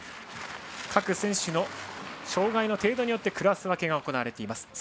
各選手の障がいの程度によってクラス分けが行われています。